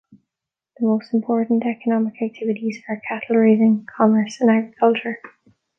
The most important economic activities are cattle raising, commerce, and agriculture.